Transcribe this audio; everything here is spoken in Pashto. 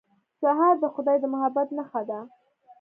سهار د خدای د محبت نښه ده.